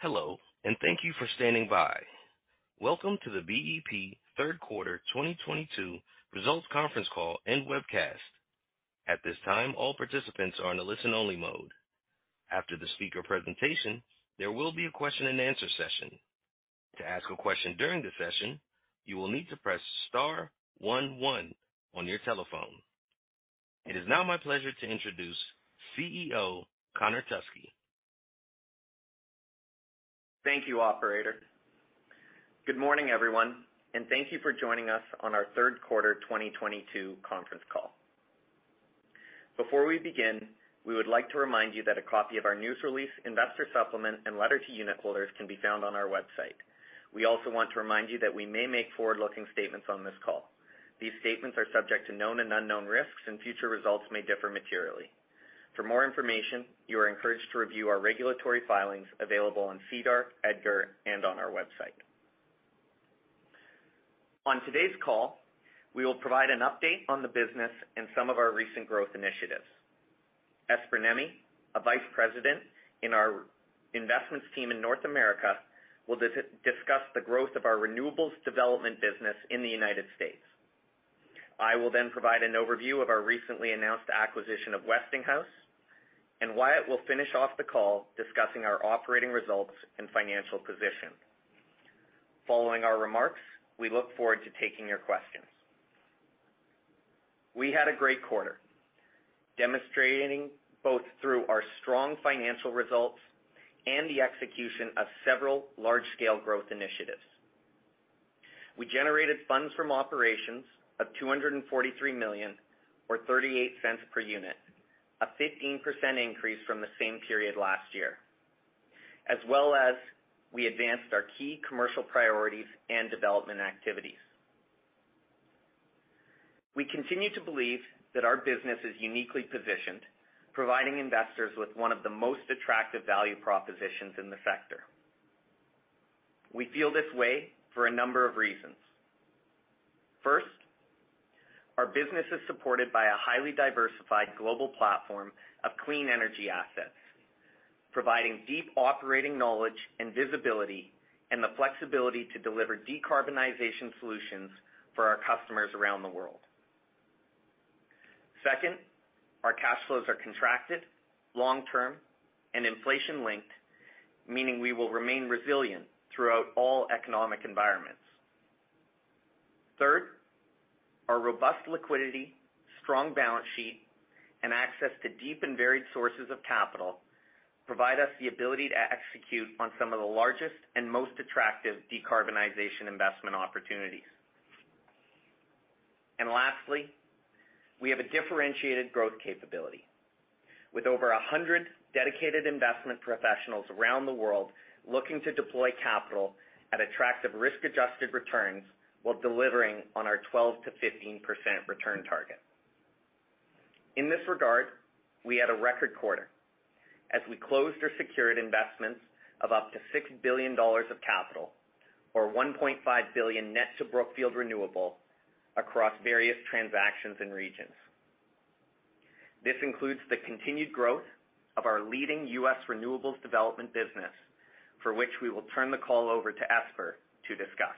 Hello, and thank you for standing by. Welcome to the BEP third quarter 2022 results conference call and webcast. At this time, all participants are in a listen-only mode. After the speaker presentation, there will be a question-and-answer session. To ask a question during the session, you will need to press star one one on your telephone. It is now my pleasure to introduce CEO Connor Teskey. Thank you, operator. Good morning, everyone, and thank you for joining us on our third quarter 2022 conference call. Before we begin, we would like to remind you that a copy of our news release, investor supplement, and letter to unit holders can be found on our website. We also want to remind you that we may make forward-looking statements on this call. These statements are subject to known and unknown risks, and future results may differ materially. For more information, you are encouraged to review our regulatory filings available on SEDAR, EDGAR and on our website. On today's call, we will provide an update on the business and some of our recent growth initiatives. Esper Nemi, a Vice President in our investments team in North America, will discuss the growth of our renewables development business in the United States. I will then provide an overview of our recently announced acquisition of Westinghouse, and Wyatt will finish off the call discussing our operating results and financial position. Following our remarks, we look forward to taking your questions. We had a great quarter, demonstrating both through our strong financial results and the execution of several large-scale growth initiatives. We generated funds from operations of $243 million or $0.38 per unit, a 15% increase from the same period last year, as well as we advanced our key commercial priorities and development activities. We continue to believe that our business is uniquely positioned, providing investors with one of the most attractive value propositions in the sector. We feel this way for a number of reasons. First, our business is supported by a highly diversified global platform of clean energy assets, providing deep operating knowledge and visibility and the flexibility to deliver decarbonization solutions for our customers around the world. Second, our cash flows are contracted, long-term, and inflation-linked, meaning we will remain resilient throughout all economic environments. Third, our robust liquidity, strong balance sheet, and access to deep and varied sources of capital provide us the ability to execute on some of the largest and most attractive decarbonization investment opportunities. Lastly, we have a differentiated growth capability with over a hundred dedicated investment professionals around the world looking to deploy capital at attractive risk-adjusted returns while delivering on our 12%-15% return target. In this regard, we had a record quarter as we closed or secured investments of up to $6 billion of capital or $1.5 billion net to Brookfield Renewable across various transactions and regions. This includes the continued growth of our leading U.S. renewables development business, for which we will turn the call over to Esper to discuss.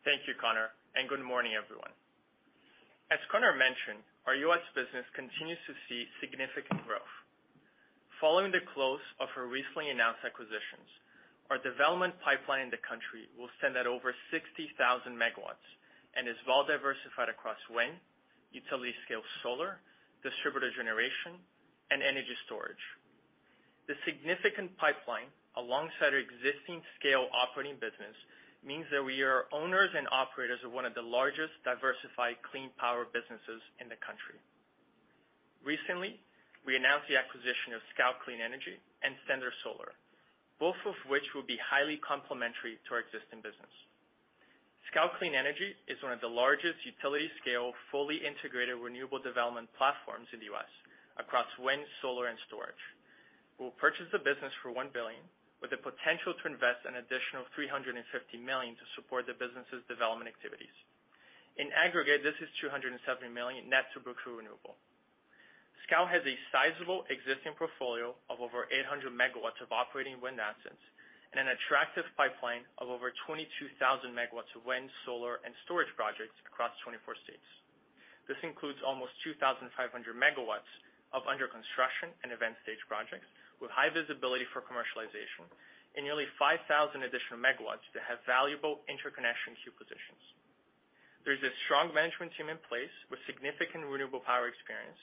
Thank you, Connor, and good morning, everyone. As Connor mentioned, our U.S. business continues to see significant growth. Following the close of our recently announced acquisitions, our development pipeline in the country will stand at over 60,000 MW and is well diversified across wind, utility-scale solar, distributed generation, and energy storage. The significant pipeline, alongside our existing scale operating business, means that we are owners and operators of one of the largest diversified clean power businesses in the country. Recently, we announced the acquisition of Scout Clean Energy and Standard Solar, both of which will be highly complementary to our existing business. Scout Clean Energy is one of the largest utility-scale, fully integrated renewable development platforms in the U.S. across wind, solar, and storage. We'll purchase the business for $1 billion, with the potential to invest an additional $350 million to support the business's development activities. In aggregate, this is $270 million net to Brookfield Renewable. Scout has a sizable existing portfolio of over 800 MW of operating wind assets and an attractive pipeline of over 22,000 MW of wind, solar, and storage projects across 24 states. This includes almost 2,500 MW of under construction and advanced stage projects with high visibility for commercialization and nearly 5,000 additional MW that have valuable interconnection queue positions. There's a strong management team in place with significant renewable power experience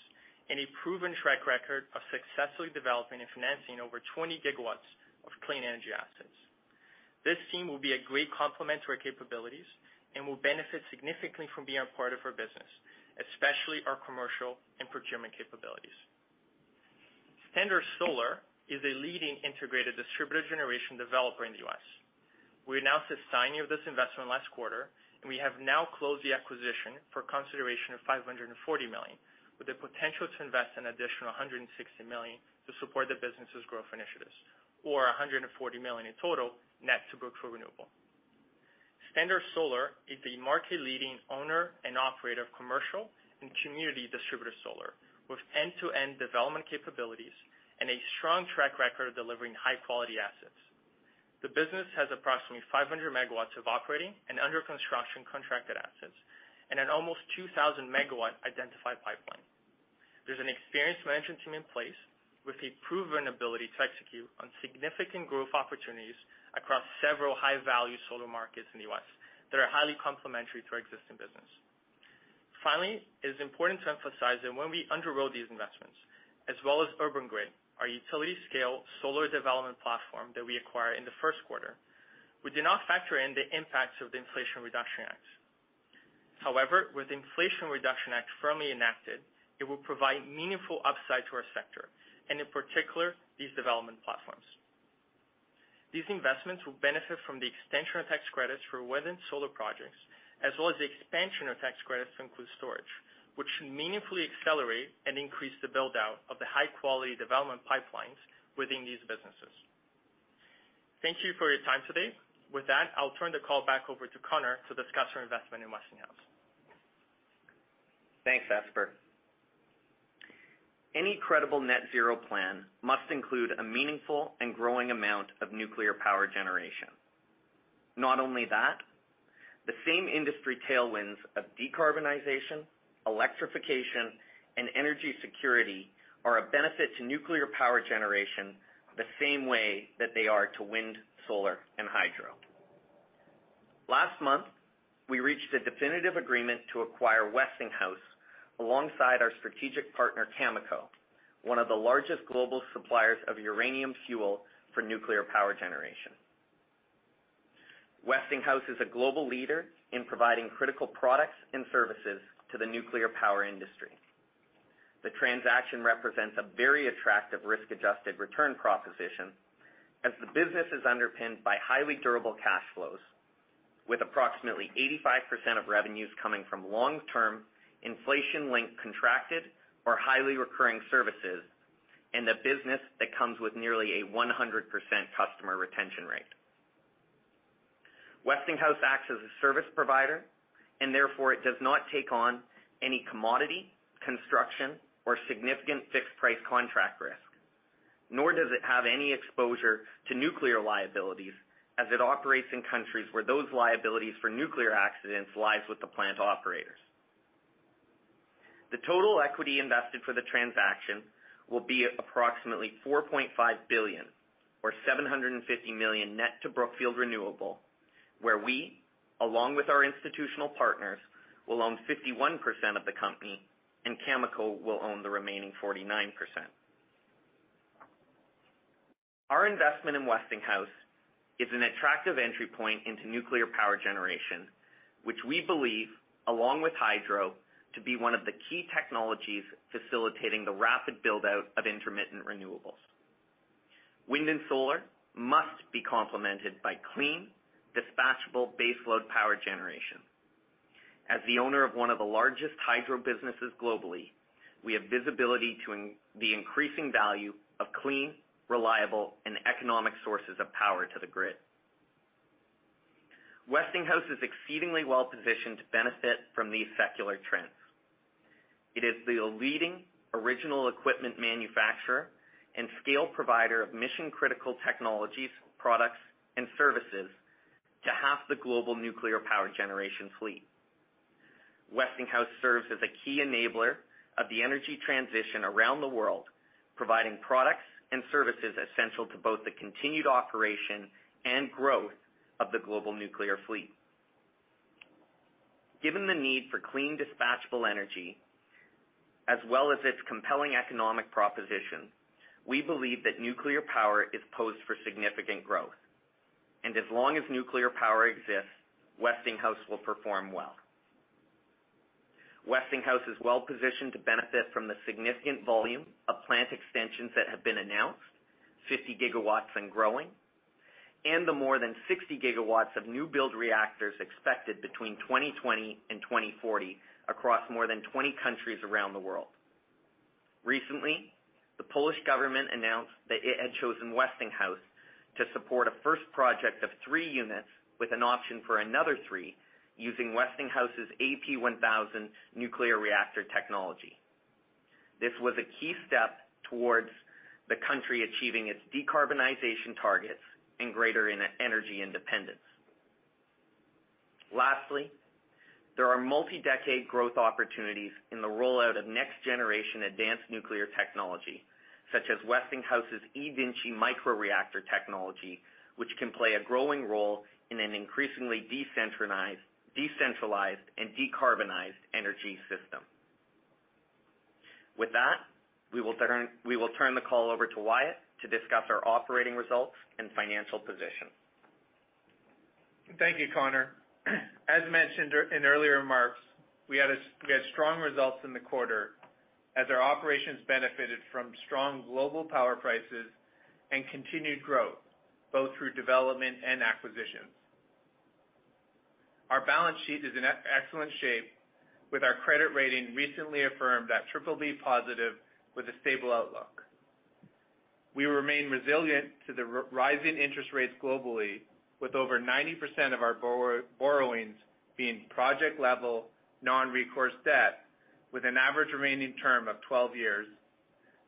and a proven track record of successfully developing and financing over 20 GW of clean energy assets. This team will be a great complement to our capabilities and will benefit significantly from being a part of our business, especially our commercial and procurement capabilities. Standard Solar is a leading integrated distributed generation developer in the U.S. We announced the signing of this investment last quarter, and we have now closed the acquisition for consideration of $540 million, with the potential to invest an additional $160 million to support the business's growth initiatives or $140 million in total net to Brookfield Renewable. Standard Solar is the market-leading owner and operator of commercial and community distributed solar, with end-to-end development capabilities and a strong track record of delivering high-quality assets. The business has approximately 500 MW of operating and under construction contracted assets, and an almost 2,000 MW identified pipeline. There's an experienced management team in place with a proven ability to execute on significant growth opportunities across several high-value solar markets in the U.S. that are highly complementary to our existing business. Finally, it is important to emphasize that when we underwrote these investments, as well as Urban Grid, our utility-scale solar development platform that we acquired in the first quarter, we did not factor in the impacts of the Inflation Reduction Act. However, with the Inflation Reduction Act firmly enacted, it will provide meaningful upside to our sector, and in particular, these development platforms. These investments will benefit from the extension of tax credits for wind and solar projects, as well as the expansion of tax credits to include storage, which should meaningfully accelerate and increase the build-out of the high-quality development pipelines within these businesses. Thank you for your time today. With that, I'll turn the call back over to Connor to discuss our investment in Westinghouse. Thanks, Esper. Any credible net zero plan must include a meaningful and growing amount of nuclear power generation. Not only that, the same industry tailwinds of decarbonization, electrification, and energy security are a benefit to nuclear power generation the same way that they are to wind, solar, and hydro. Last month, we reached a definitive agreement to acquire Westinghouse alongside our strategic partner, Cameco, one of the largest global suppliers of uranium fuel for nuclear power generation. Westinghouse is a global leader in providing critical products and services to the nuclear power industry. The transaction represents a very attractive risk-adjusted return proposition as the business is underpinned by highly durable cash flows with approximately 85% of revenues coming from long-term inflation-linked contracted or highly recurring services, and a business that comes with nearly a 100% customer retention rate. Westinghouse acts as a service provider, and therefore it does not take on any commodity, construction, or significant fixed-price contract risk, nor does it have any exposure to nuclear liabilities as it operates in countries where those liabilities for nuclear accidents lies with the plant operators. The total equity invested for the transaction will be approximately $4.5 billion or $750 million net to Brookfield Renewable, where we, along with our institutional partners, will own 51% of the company and Cameco will own the remaining 49%. Our investment in Westinghouse is an attractive entry point into nuclear power generation, which we believe, along with hydro, to be one of the key technologies facilitating the rapid build-out of intermittent renewables. Wind and solar must be complemented by clean, dispatchable base load power generation. As the owner of one of the largest hydro businesses globally, we have visibility into the increasing value of clean, reliable, and economic sources of power to the grid. Westinghouse is exceedingly well-positioned to benefit from these secular trends. It is the leading original equipment manufacturer and scale provider of mission-critical technologies, products, and services to half the global nuclear power generation fleet. Westinghouse serves as a key enabler of the energy transition around the world, providing products and services essential to both the continued operation and growth of the global nuclear fleet. Given the need for clean, dispatchable energy, as well as its compelling economic proposition, we believe that nuclear power is poised for significant growth. As long as nuclear power exists, Westinghouse will perform well. Westinghouse is well-positioned to benefit from the significant volume of plant extensions that have been announced, 50 GW and growing, and the more than 60 GW of new build reactors expected between 2020 and 2040 across more than 20 countries around the world. Recently, the Polish government announced that it had chosen Westinghouse to support a first project of three units with an option for another three using Westinghouse's AP1000 nuclear reactor technology. This was a key step towards the country achieving its decarbonization targets and greater energy independence. Lastly, there are multi-decade growth opportunities in the rollout of next-generation advanced nuclear technology, such as Westinghouse's eVinci microreactor technology, which can play a growing role in an increasingly decentralized and decarbonized energy system. With that, we will turn the call over to Wyatt to discuss our operating results and financial position. Thank you, Connor. As mentioned in earlier remarks, we had strong results in the quarter as our operations benefited from strong global power prices and continued growth, both through development and acquisitions. Our balance sheet is in excellent shape with our credit rating recently affirmed at BBB+ with a stable outlook. We remain resilient to the rising interest rates globally with over 90% of our borrowings being project-level, non-recourse debt, with an average remaining term of 12 years,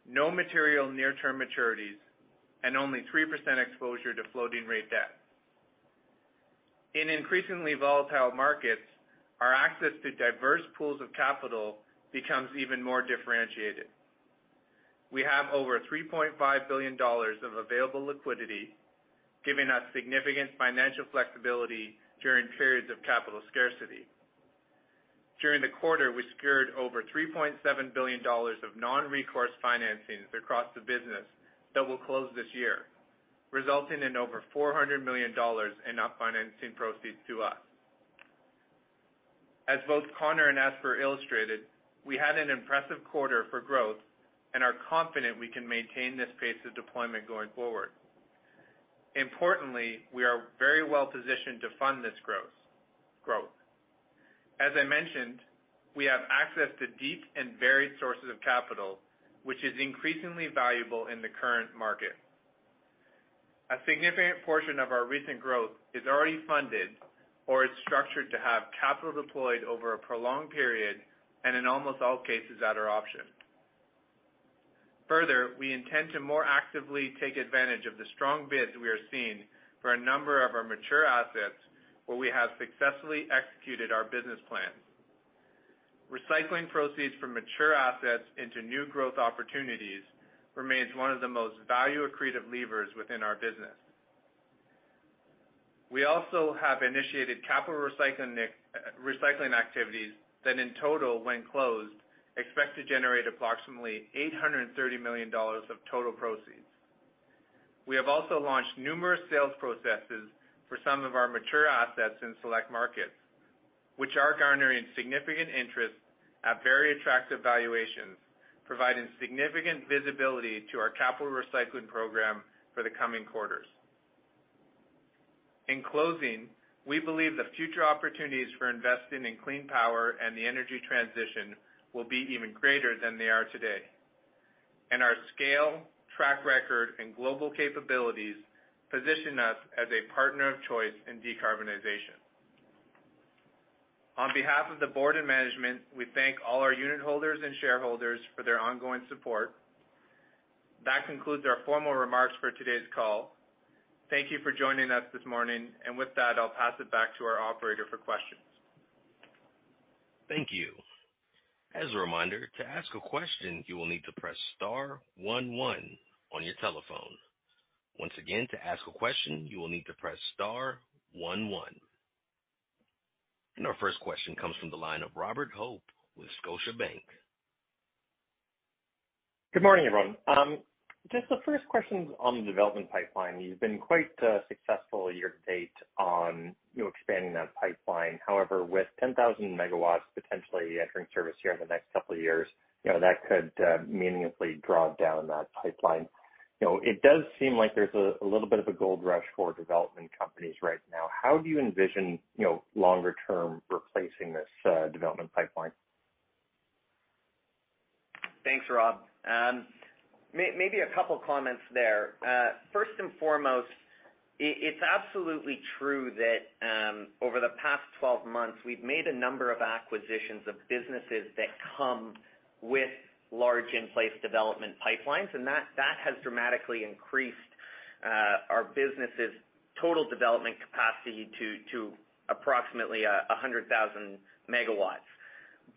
no material near-term maturities, and only 3% exposure to floating rate debt. In increasingly volatile markets, our access to diverse pools of capital becomes even more differentiated. We have over $3.5 billion of available liquidity, giving us significant financial flexibility during periods of capital scarcity. During the quarter, we secured over $3.7 billion of non-recourse financings across the business that will close this year, resulting in over $400 million in net financing proceeds to us. As both Connor and Esper illustrated, we had an impressive quarter for growth and are confident we can maintain this pace of deployment going forward. Importantly, we are very well-positioned to fund this growth. As I mentioned, we have access to deep and varied sources of capital, which is increasingly valuable in the current market. A significant portion of our recent growth is already funded or is structured to have capital deployed over a prolonged period and in almost all cases at our option. Further, we intend to more actively take advantage of the strong bids we are seeing for a number of our mature assets where we have successfully executed our business plan. Recycling proceeds from mature assets into new growth opportunities remains one of the most value-accretive levers within our business. We also have initiated capital recycling activities that, in total, when closed, expect to generate approximately $830 million of total proceeds. We have also launched numerous sales processes for some of our mature assets in select markets, which are garnering significant interest at very attractive valuations, providing significant visibility to our capital recycling program for the coming quarters. In closing, we believe the future opportunities for investing in clean power and the energy transition will be even greater than they are today, and our scale, track record, and global capabilities position us as a partner of choice in decarbonization. On behalf of the board and management, we thank all our unitholders and shareholders for their ongoing support. That concludes our formal remarks for today's call. Thank you for joining us this morning. With that, I'll pass it back to our operator for questions. Thank you. As a reminder, to ask a question, you will need to press star one one on your telephone. Once again, to ask a question, you will need to press star one one. Our first question comes from the line of Robert Hope with Scotiabank. Good morning, everyone. Just the first question's on the development pipeline. You've been quite successful year-to-date on, you know, expanding that pipeline. However, with 10,000 MW potentially entering service here in the next couple of years, you know, that could meaningfully draw down that pipeline. You know, it does seem like there's a little bit of a gold rush for development companies right now. How do you envision, you know, longer term replacing this development pipeline? Thanks, Rob. Maybe a couple comments there. First and foremost, it's absolutely true that over the past 12 months, we've made a number of acquisitions of businesses that come with large in-place development pipelines, and that has dramatically increased our business' total development capacity to approximately 100,000 MW.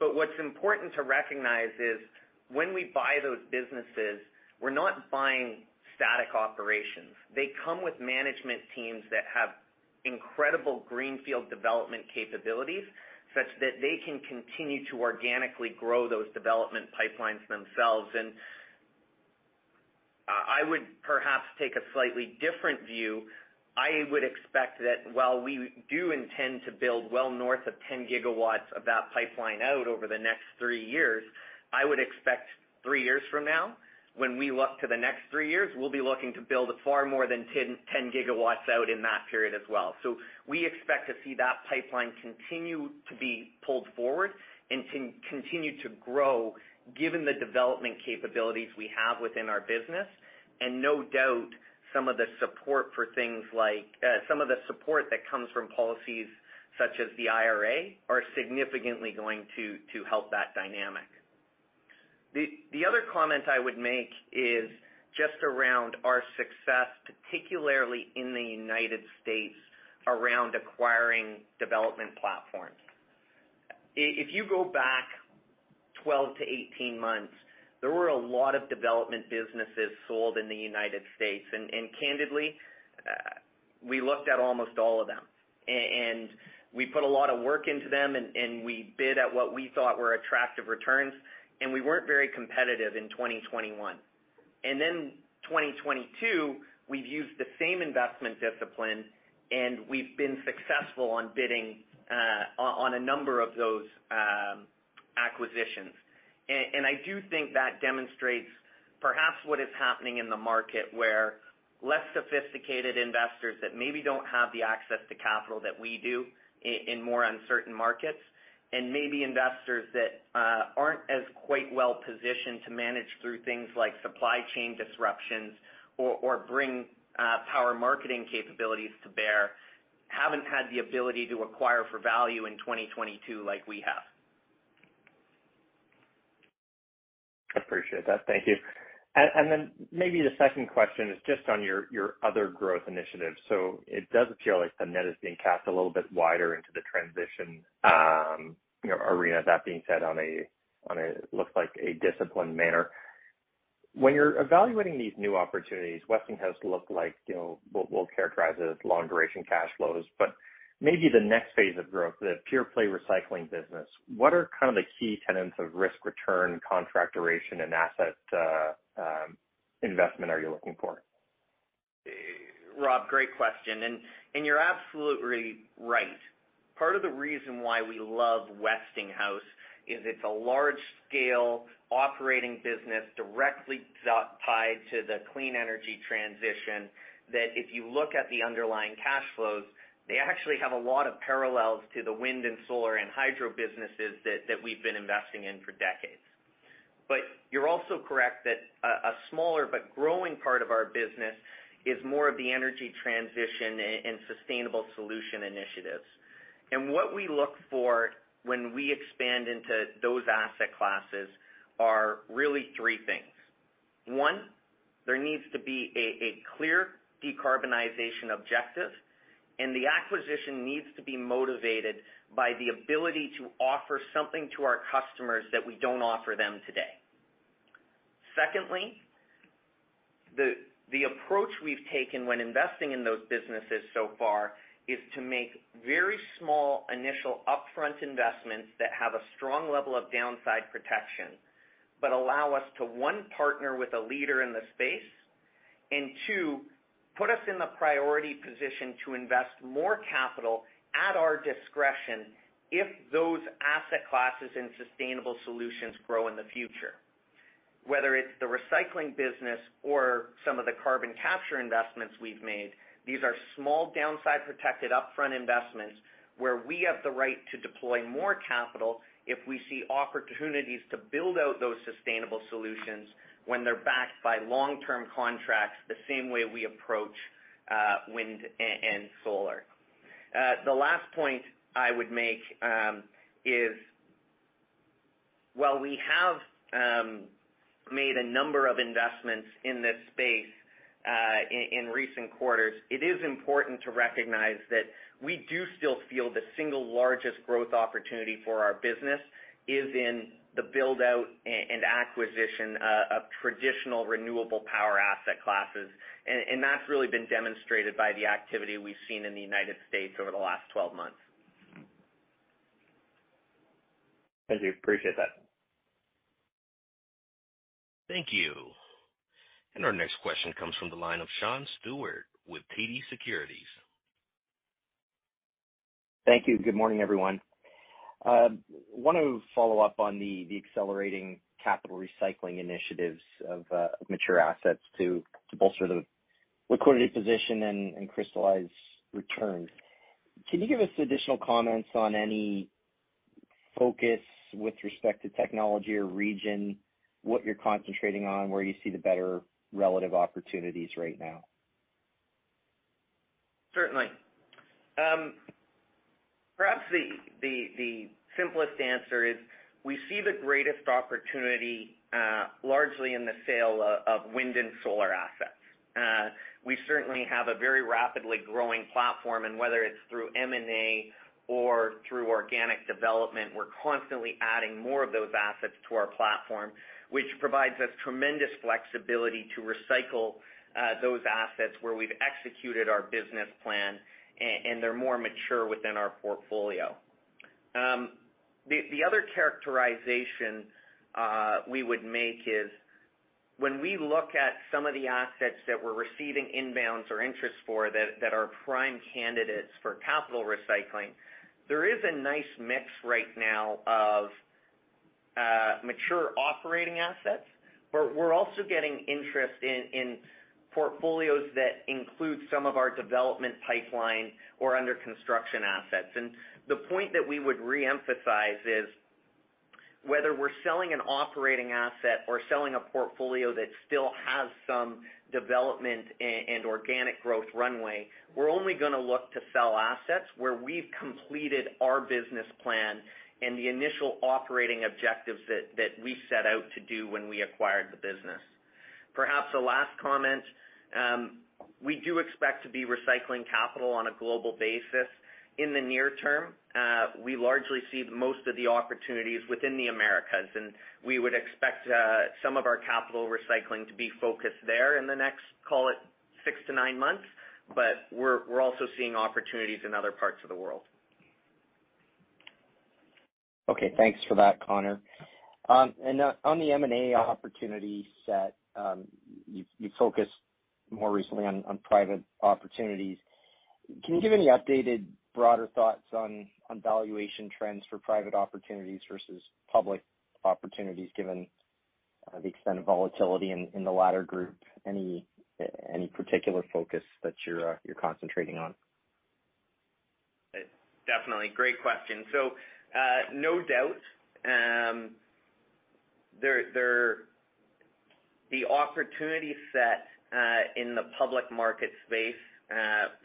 What's important to recognize is when we buy those businesses, we're not buying static operations. They come with management teams that have incredible greenfield development capabilities, such that they can continue to organically grow those development pipelines themselves. I would perhaps take a slightly different view. I would expect that while we do intend to build well north of 10 GW of that pipeline out over the next three years, I would expect three years from now, when we look to the next three years, we'll be looking to build far more than 10 GW out in that period as well. We expect to see that pipeline continue to be pulled forward and continue to grow given the development capabilities we have within our business. No doubt, some of the support for things like some of the support that comes from policies such as the IRA are significantly going to help that dynamic. The other comment I would make is just around our success, particularly in the United States, around acquiring development platforms. If you go back 12 to 18 months, there were a lot of development businesses sold in the United States. Candidly, we looked at almost all of them. We put a lot of work into them, and we bid at what we thought were attractive returns, and we weren't very competitive in 2021. Then 2022, we've used the same investment discipline, and we've been successful on bidding on a number of those acquisitions. I do think that demonstrates perhaps what is happening in the market, where Less sophisticated investors that maybe don't have the access to capital that we do in more uncertain markets, and maybe investors that aren't as quite well-positioned to manage through things like supply chain disruptions or bring power marketing capabilities to bear, haven't had the ability to acquire for value in 2022 like we have. Appreciate that. Thank you. Then maybe the second question is just on your other growth initiatives. It does appear like the net is being cast a little bit wider into the transition, you know, arena. That being said, on a it looks like a disciplined manner. When you are evaluating these new opportunities, Westinghouse looked like, you know, we will characterize it as long-duration cash flows. Maybe the next phase of growth, the pure play recycling business, what are kind of the key tenets of risk return, contract duration, and asset investment are you looking for? Rob, great question, you're absolutely right. Part of the reason why we love Westinghouse is it's a large-scale operating business directly tied to the clean energy transition that if you look at the underlying cash flows, they actually have a lot of parallels to the wind and solar and hydro businesses that we've been investing in for decades. You're also correct that a smaller but growing part of our business is more of the energy transition and sustainable solution initiatives. What we look for when we expand into those asset classes are really three things. One, there needs to be a clear decarbonization objective, and the acquisition needs to be motivated by the ability to offer something to our customers that we don't offer them today. Secondly, the approach we've taken when investing in those businesses so far is to make very small initial upfront investments that have a strong level of downside protection, but allow us to, one, partner with a leader in the space, and two, put us in the priority position to invest more capital at our discretion if those asset classes and sustainable solutions grow in the future. Whether it's the recycling business or some of the carbon capture investments we've made, these are small downside-protected upfront investments where we have the right to deploy more capital if we see opportunities to build out those sustainable solutions when they're backed by long-term contracts, the same way we approach wind and solar. The last point I would make is while we have made a number of investments in this space, in recent quarters, it is important to recognize that we do still feel the single largest growth opportunity for our business is in the build-out and acquisition of traditional renewable power asset classes. That's really been demonstrated by the activity we've seen in the United States over the last 12 months. Thank you. Appreciate that. Thank you. Our next question comes from the line of Sean Steuart with TD Securities. Thank you. Good morning, everyone. Want to follow up on the accelerating capital recycling initiatives of mature assets to bolster the liquidity position and crystallize returns. Can you give us additional comments on any focus with respect to technology or region, what you're concentrating on, where you see the better relative opportunities right now? Certainly. Perhaps the simplest answer is we see the greatest opportunity largely in the sale of wind and solar assets. We certainly have a very rapidly growing platform, and whether it's through M&A or through organic development, we're constantly adding more of those assets to our platform, which provides us tremendous flexibility to recycle those assets where we've executed our business plan and they're more mature within our portfolio. The other characterization we would make is when we look at some of the assets that we're receiving inbound interest for that are prime candidates for capital recycling, there is a nice mix right now of mature operating assets, but we're also getting interest in portfolios that include some of our development pipeline or under construction assets. The point that we would reemphasize is whether we're selling an operating asset or selling a portfolio that still has some development and organic growth runway, we're only gonna look to sell assets where we've completed our business plan and the initial operating objectives that we set out to do when we acquired the business. Perhaps a last comment, we do expect to be recycling capital on a global basis in the near term. We largely see most of the opportunities within the Americas, and we would expect some of our capital recycling to be focused there in the next, call it, six to nine months, but we're also seeing opportunities in other parts of the world. Okay. Thanks for that, Connor. On the M&A opportunity set, you focused more recently on private opportunities. Can you give any updated broader thoughts on valuation trends for private opportunities versus public opportunities, given the extent of volatility in the latter group? Any particular focus that you're concentrating on? Definitely. Great question. No doubt, the opportunity set in the public market space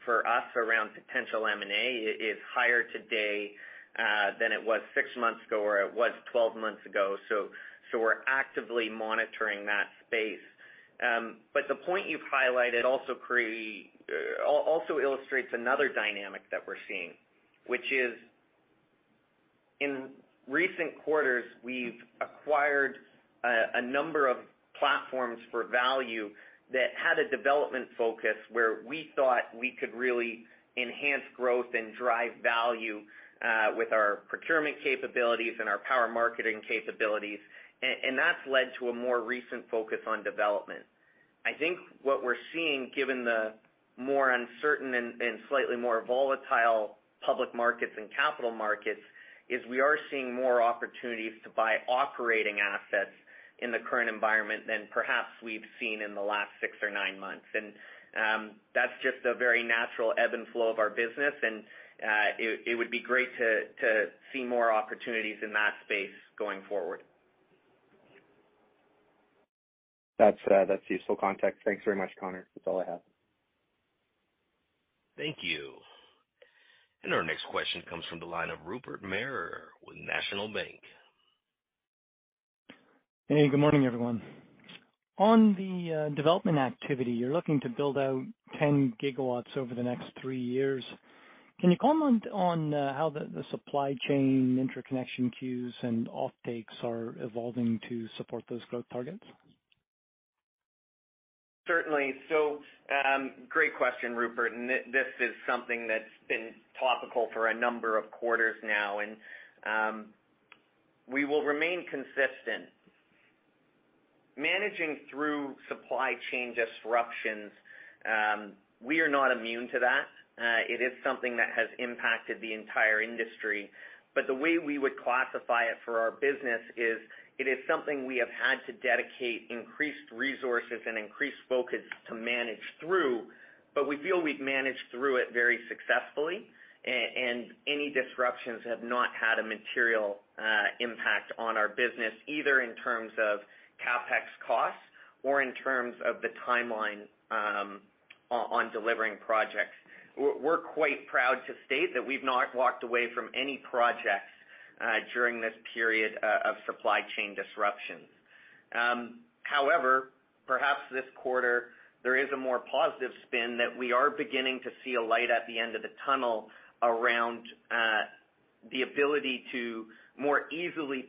for us around potential M&A is higher today than it was six months ago, or it was 12 months ago. We're actively monitoring that space. The point you've highlighted also illustrates another dynamic that we're seeing, which is in recent quarters, we've acquired a number of platforms for value that had a development focus where we thought we could really enhance growth and drive value with our procurement capabilities and our power marketing capabilities. That's led to a more recent focus on development. I think what we're seeing, given the more uncertain and slightly more volatile public markets and capital markets, is we are seeing more opportunities to buy operating assets in the current environment than perhaps we've seen in the last six or nine months. That's just a very natural ebb and flow of our business. It would be great to see more opportunities in that space going forward. That's useful context. Thanks very much, Connor. That's all I have. Thank you. Our next question comes from the line of Rupert Merer with National Bank. Hey, good morning, everyone. On the development activity, you're looking to build out 10 GW over the next three years. Can you comment on how the supply chain interconnection queues and offtakes are evolving to support those growth targets? Certainly. Great question, Rupert, and this is something that's been topical for a number of quarters now. We will remain consistent. Managing through supply chain disruptions, we are not immune to that. It is something that has impacted the entire industry. The way we would classify it for our business is it is something we have had to dedicate increased resources and increased focus to manage through, but we feel we've managed through it very successfully. Any disruptions have not had a material impact on our business, either in terms of CapEx costs or in terms of the timeline on delivering projects. We're quite proud to state that we've not walked away from any projects during this period of supply chain disruptions. However, perhaps this quarter, there is a more positive spin that we are beginning to see a light at the end of the tunnel around the ability to more easily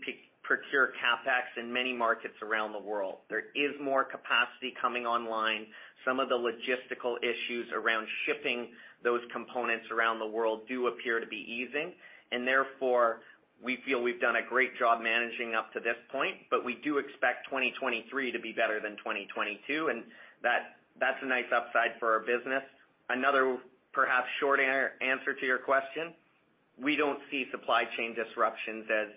procure CapEx in many markets around the world. There is more capacity coming online. Some of the logistical issues around shipping those components around the world do appear to be easing, and therefore we feel we've done a great job managing up to this point. We do expect 2023 to be better than 2022, and that's a nice upside for our business. Another perhaps short answer to your question, we don't see supply chain disruptions as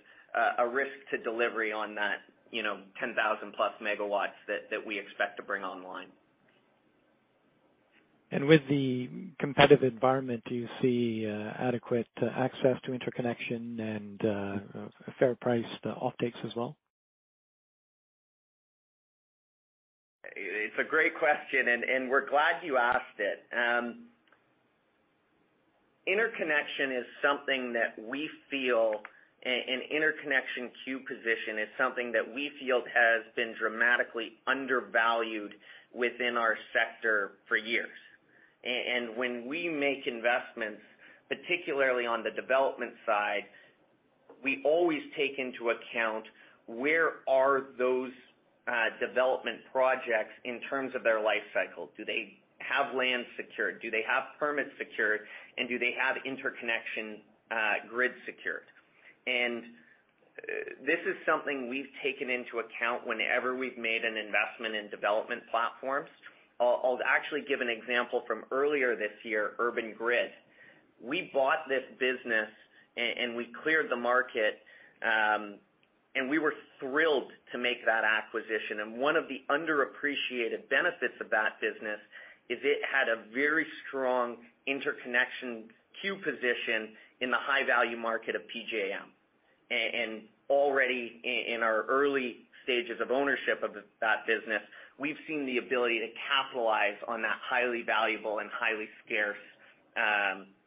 a risk to delivery on that, you know, 10,000+ MW that we expect to bring online. With the competitive environment, do you see adequate access to interconnection and a fair price to offtakes as well? It's a great question, and we're glad you asked it. Interconnection is something that we feel, and interconnection queue position is something that we feel has been dramatically undervalued within our sector for years. When we make investments, particularly on the development side, we always take into account where are those development projects in terms of their life cycle? Do they have land secured? Do they have permits secured? And do they have interconnection grid secured? This is something we've taken into account whenever we've made an investment in development platforms. I'll actually give an example from earlier this year, Urban Grid. We bought this business and we cleared the market, and we were thrilled to make that acquisition. One of the underappreciated benefits of that business is it had a very strong interconnection queue position in the high-value market of PJM. And already in our early stages of ownership of that business, we've seen the ability to capitalize on that highly valuable and highly scarce,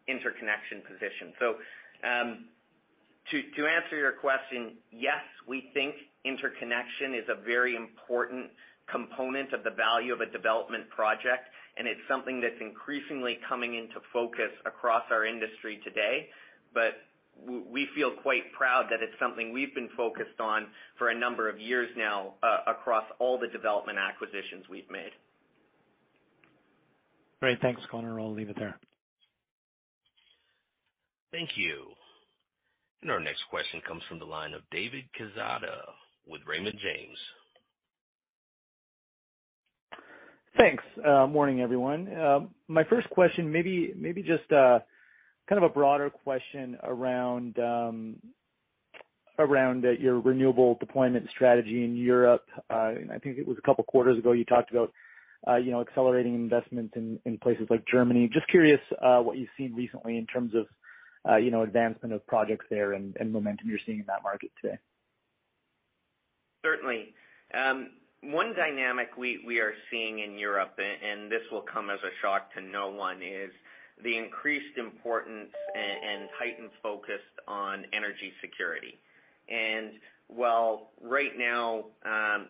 interconnection position. To answer your question, yes, we think interconnection is a very important component of the value of a development project, and it's something that's increasingly coming into focus across our industry today. But we feel quite proud that it's something we've been focused on for a number of years now across all the development acquisitions we've made. Great. Thanks, Connor. I'll leave it there. Thank you. Our next question comes from the line of David Quezada with Raymond James. Thanks. Morning, everyone. My first question, maybe just a kind of a broader question around your renewable deployment strategy in Europe. I think it was a couple of quarters ago, you talked about, you know, accelerating investment in places like Germany. Just curious, what you've seen recently in terms of, you know, advancement of projects there and momentum you're seeing in that market today. Certainly. One dynamic we are seeing in Europe, and this will come as a shock to no one, is the increased importance and heightened focus on energy security. While right now,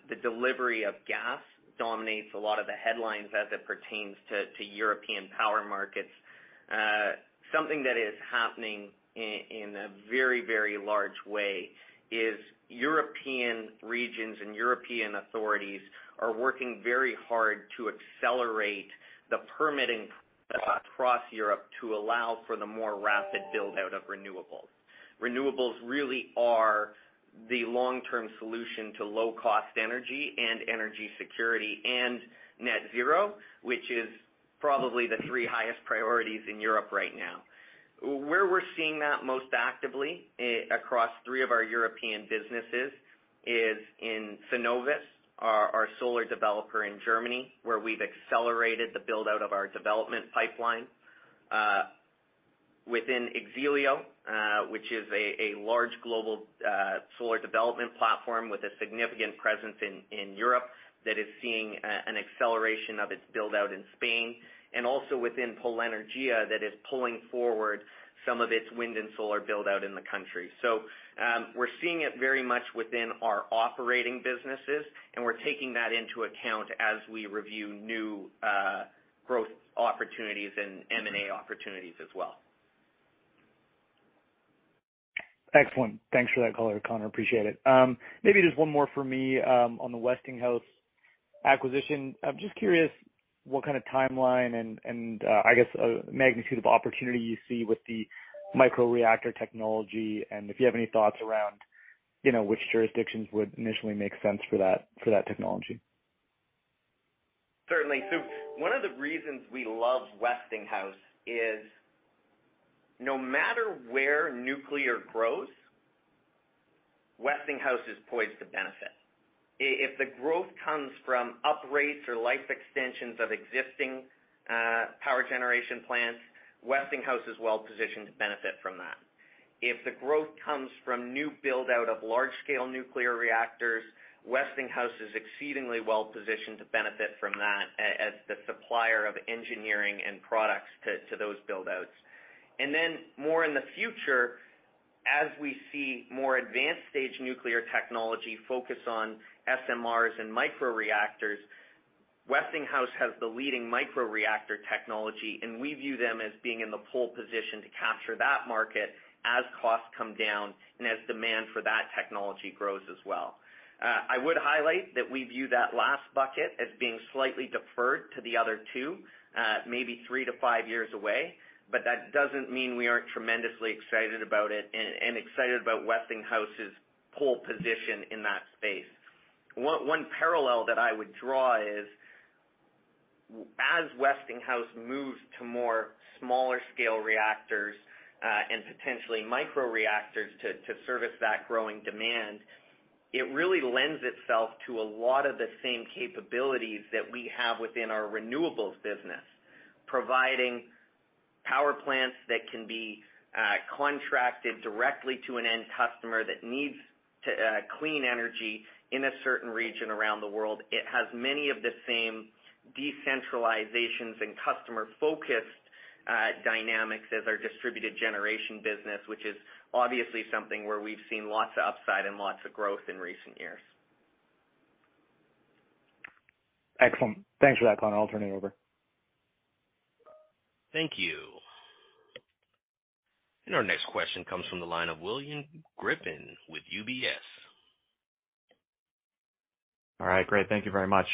the delivery of gas dominates a lot of the headlines as it pertains to European power markets, something that is happening in a very large way is European regions and European authorities are working very hard to accelerate the permitting across Europe to allow for the more rapid build-out of renewables. Renewables really are the long-term solution to low-cost energy and energy security and net zero, which is probably the three highest priorities in Europe right now. Where we're seeing that most actively across three of our European businesses is in Sunovis, our solar developer in Germany, where we've accelerated the build-out of our development pipeline. Within X-ELIO, which is a large global solar development platform with a significant presence in Europe that is seeing an acceleration of its build-out in Spain, and also within Polenergia that is pulling forward some of its wind and solar build-out in the country. We're seeing it very much within our operating businesses, and we're taking that into account as we review new growth opportunities and M&A opportunities as well. Excellent. Thanks for that color, Connor. Appreciate it. Maybe just one more for me, on the Westinghouse acquisition. I'm just curious what kind of timeline and magnitude of opportunity you see with the microreactor technology, and if you have any thoughts around, you know, which jurisdictions would initially make sense for that technology. Certainly. One of the reasons we love Westinghouse is no matter where nuclear grows, Westinghouse is poised to benefit. If the growth comes from uprates or life extensions of existing power generation plants, Westinghouse is well-positioned to benefit from that. If the growth comes from new build-out of large-scale nuclear reactors, Westinghouse is exceedingly well-positioned to benefit from that as the supplier of engineering and products to those build-outs. More in the future, as we see more advanced stage nuclear technology focus on SMRs and microreactors, Westinghouse has the leading microreactor technology, and we view them as being in the pole position to capture that market as costs come down and as demand for that technology grows as well. I would highlight that we view that last bucket as being slightly deferred to the other two, maybe three to five years away, but that doesn't mean we aren't tremendously excited about it and excited about Westinghouse's pole position in that space. One parallel that I would draw is, as Westinghouse moves to more smaller scale reactors, and potentially microreactors to service that growing demand, it really lends itself to a lot of the same capabilities that we have within our renewables business, providing power plants that can be contracted directly to an end customer that needs to clean energy in a certain region around the world. It has many of the same decentralizations and customer-focused dynamics as our distributed generation business, which is obviously something where we've seen lots of upside and lots of growth in recent years. Excellent. Thanks for that, Connor. I'll turn it over. Thank you. Our next question comes from the line of William Grippin with UBS. All right, great. Thank you very much.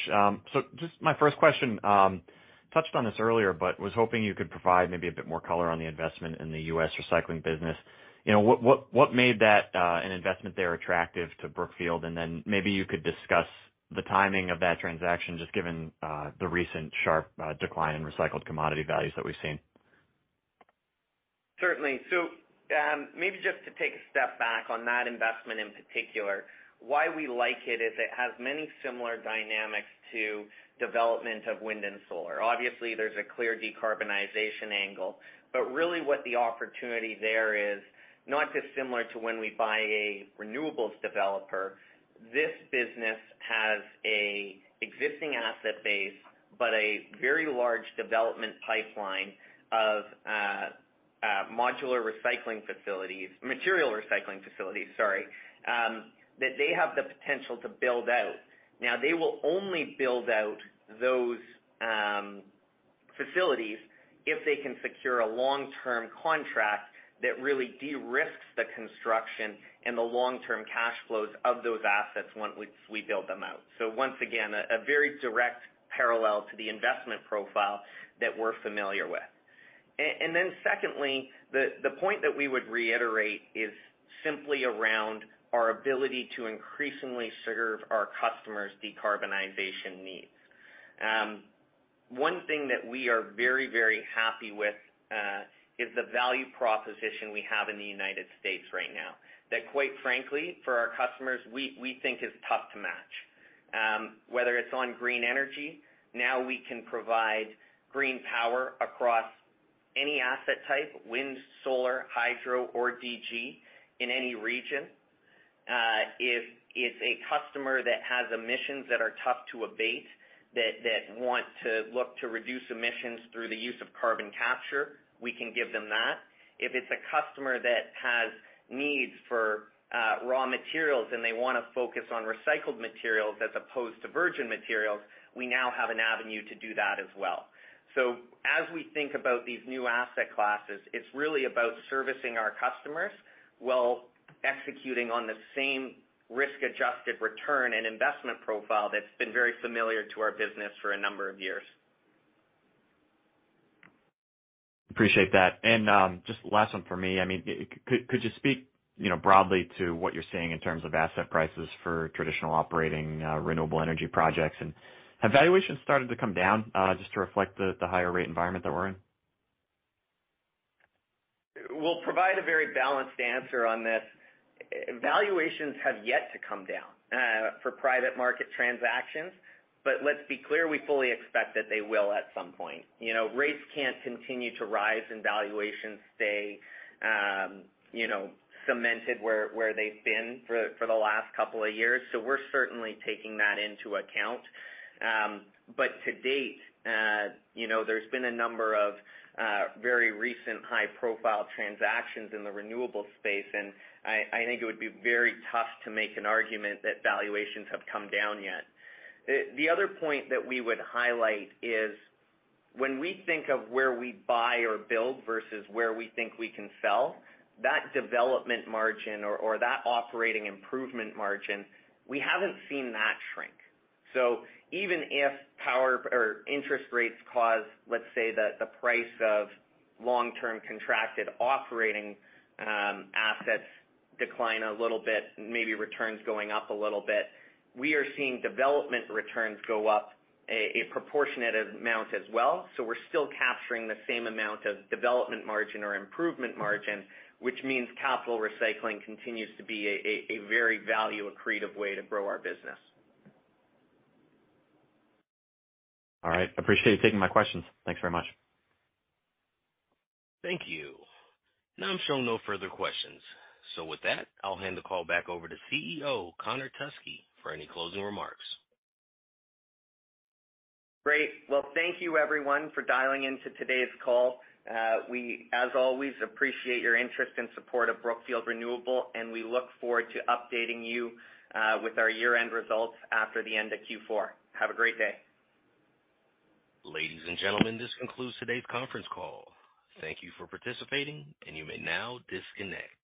Just my first question, touched on this earlier, but was hoping you could provide maybe a bit more color on the investment in the U.S. recycling business. You know, what made that an investment there attractive to Brookfield? Then maybe you could discuss the timing of that transaction, just given the recent sharp decline in recycled commodity values that we've seen. Certainly. Maybe just to take a step back on that investment in particular, why we like it is it has many similar dynamics to development of wind and solar. Obviously, there's a clear decarbonization angle, but really what the opportunity there is not dissimilar to when we buy a renewables developer. This business has an existing asset base, but a very large development pipeline of material recycling facilities that they have the potential to build out. Now, they will only build out those facilities if they can secure a long-term contract that really de-risks the construction and the long-term cash flows of those assets once we build them out. Once again, a very direct parallel to the investment profile that we're familiar with. Then secondly, the point that we would reiterate is simply around our ability to increasingly serve our customers' decarbonization needs. One thing that we are very happy with is the value proposition we have in the United States right now. That quite frankly, for our customers, we think is tough to match. Whether it's on green energy, now we can provide green power across any asset type, wind, solar, hydro, or DG in any region. If a customer that has emissions that are tough to abate that want to look to reduce emissions through the use of carbon capture, we can give them that. If it's a customer that has needs for raw materials and they wanna focus on recycled materials as opposed to virgin materials, we now have an avenue to do that as well. As we think about these new asset classes, it's really about servicing our customers while executing on the same risk-adjusted return and investment profile that's been very familiar to our business for a number of years. Appreciate that. Just last one for me. I mean, could you speak, you know, broadly to what you're seeing in terms of asset prices for traditional operating renewable energy projects? Have valuations started to come down just to reflect the higher rate environment that we're in? We'll provide a very balanced answer on this. Valuations have yet to come down for private market transactions, but let's be clear, we fully expect that they will at some point. Rates can't continue to rise and valuations stay cemented where they've been for the last couple of years. We're certainly taking that into account. But to date, there's been a number of very recent high-profile transactions in the renewable space, and I think it would be very tough to make an argument that valuations have come down yet. The other point that we would highlight is when we think of where we buy or build versus where we think we can sell, that development margin or that operating improvement margin, we haven't seen that shrink. Even if power or interest rates cause, let's say, the price of long-term contracted operating assets decline a little bit, maybe returns going up a little bit, we are seeing development returns go up a proportionate amount as well. We're still capturing the same amount of development margin or improvement margin, which means capital recycling continues to be a very value-accretive way to grow our business. All right. Appreciate you taking my questions. Thanks very much. Thank you. Now I'm showing no further questions. With that, I'll hand the call back over to CEO Connor Teskey for any closing remarks. Great. Well, thank you everyone for dialing into today's call. We, as always, appreciate your interest and support of Brookfield Renewable, and we look forward to updating you with our year-end results after the end of Q4. Have a great day. Ladies and gentlemen, this concludes today's conference call. Thank you for participating, and you may now disconnect.